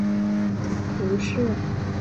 见图四。